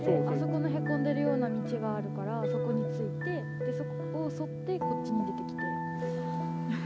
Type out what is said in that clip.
あそこのへこんでるような道があるからそこに着いてそこを沿ってこっちに出てきて。